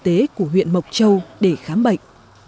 trạm y tế của huyện mộc châu để khám bệnh